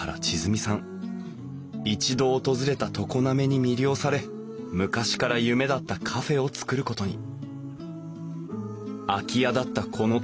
一度訪れた常滑に魅了され昔から夢だったカフェを作ることに。